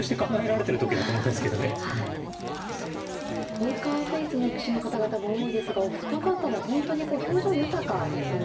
ポーカーフェースの棋士の方々も多いですがお二方は本当にこう表情豊かですよね。